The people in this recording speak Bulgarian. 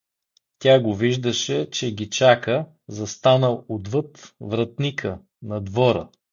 Тя го виждаше, че ги чака, застанал отвъд вратника, на двора.